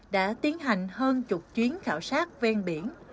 đã tiến hành hơn chục chuyến khảo sát ven biển